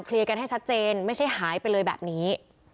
กันให้ชัดเจนไม่ใช่หายไปเลยแบบนี้